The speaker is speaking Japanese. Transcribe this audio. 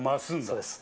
そうです。